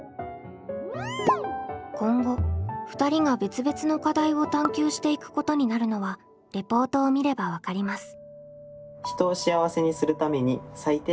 今後２人が別々の課題を探究していくことになるのはレポートを見れば分かります。